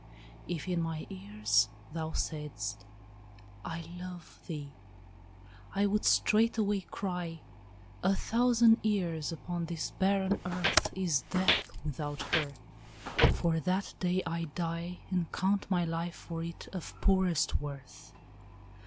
If in my ears Thou saidst, "I love thee!" I would straightway cry, "A thousand years upon this barren earth Is death without her: for that day I die, And count my life for it of poorest worth."